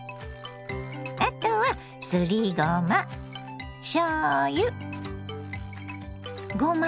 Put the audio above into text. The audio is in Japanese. あとはすりごましょうゆごま